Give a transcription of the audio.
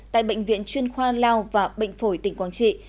tại bệnh viện chuyên khoa lao và bệnh phổi tỉnh quảng trị